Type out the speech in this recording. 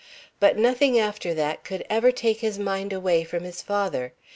But nothing after that could ever take his mind away from his father.